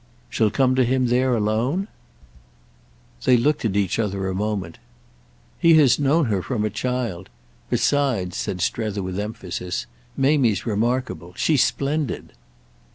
"She'll come to him there alone?" They looked at each other a moment. "He has known her from a child. Besides," said Strether with emphasis, "Mamie's remarkable. She's splendid."